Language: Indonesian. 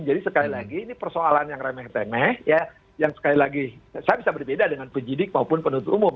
jadi sekali lagi ini persoalan yang remeh temeh ya yang sekali lagi saya bisa berbeda dengan penjidik maupun penutup umum